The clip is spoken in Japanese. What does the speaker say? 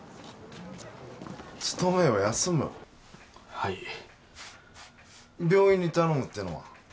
はい病院に頼むってのは？